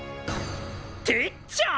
てっちゃん！？